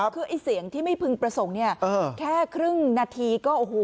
คือไอ้เสียงที่ไม่พึงประสงค์เนี่ยแค่ครึ่งนาทีก็โอ้โห